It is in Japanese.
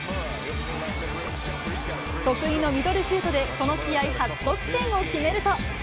得意のミドルシュートでこの試合初得点を決めると。